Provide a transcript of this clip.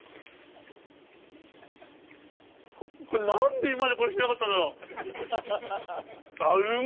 何で今までこれしなかったんだろう？